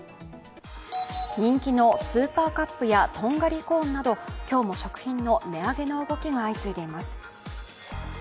人気のスーパーカップやとんがりコーンなど今日も食品の値上げの動きが相次いでいます。